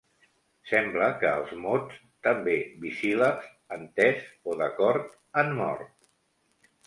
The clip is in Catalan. Sembla que els mots, també bisíl·labs, entès o d’acord han mort.